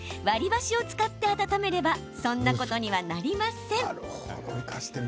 割り箸を使って温めればそんなことにはなりません。